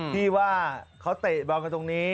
ที่ว่าเขาเตะบอลกันตรงนี้